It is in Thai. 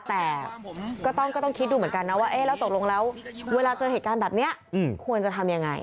แต่ก็ต้องคิดดูเหมือนกันนะว่าแล้วตกลงแล้วเวลาเจอเหตุการณ์แบบนี้ควรจะทำยังไง